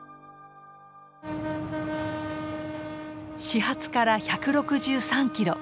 始発から１６３キロ。